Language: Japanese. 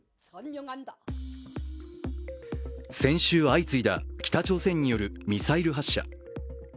先週相次いだ、北朝鮮によるミサイル発射。